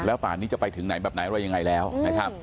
แล้วผ่านนี้จะไปถึงแบบไหนไล่ยังไงแล้วนะครับ